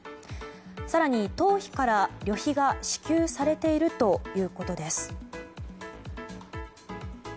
更に、党費から旅費が支給されているということです。